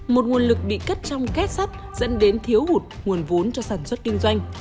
một nguồn lực bị cất trong kết sắt dẫn đến thiếu hụt nguồn vốn cho sản xuất kinh doanh